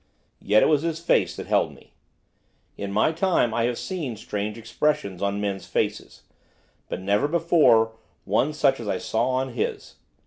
Yet it was his face that held me. In my time I have seen strange expressions on men's faces, but never before one such as I saw on his.